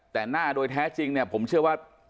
แต่หน้าโดยแท้จริงเนี่ยผมเชื่อว่า